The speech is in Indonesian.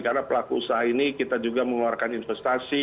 karena pelaku usaha ini kita juga mengeluarkan investasi